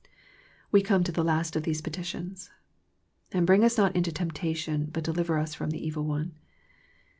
We come to the last of these petitions. " And bring us not into temptation, but deliver us from the evil one."